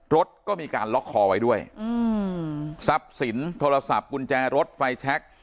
รถก็มีการล็อกคอไว้ด้วยอืมทรัพย์สินโทรศัพท์กุญแจรถไฟแชค